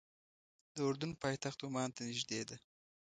د اردن پایتخت عمان ته نږدې ده.